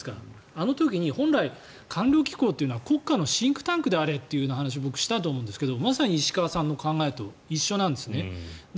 あの時に本来官僚機構というのは国家のシンクタンクであれという話を僕、したと思うんですがまさに石川さんの考えと一緒なんですね。